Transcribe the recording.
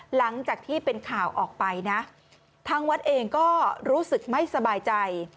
หลังจากที่เป็นข่าวออกไปนะทางวัดเองก็รู้สึกไม่สบายใจ